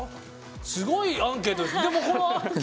すごいアンケートですね。